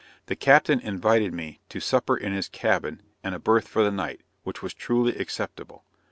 The captain invited me to supper in his cabin, and a berth for the night, which was truly acceptable.